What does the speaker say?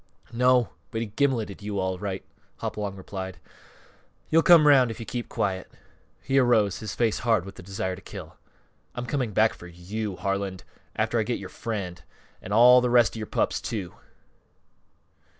"No; but he gimleted you, all right," Hopalong replied. "You'll come 'round if you keep quiet." He arose, his face hard with the desire to kill. "I'm coming back for you, Harlan, after I get yore friend! An' all th' rest of you pups, too!"